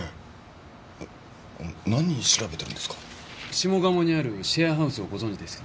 下鴨にあるシェアハウスをご存じですか？